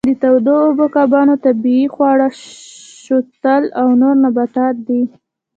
د تودو اوبو کبانو طبیعي خواړه شوتل او نور نباتات دي.